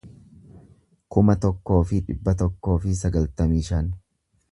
kuma tokkoo fi dhibba tokkoo fi sagaltamii shan